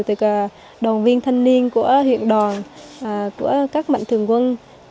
từ đoàn viên thanh niên của huyện đoàn của các mạnh thường quân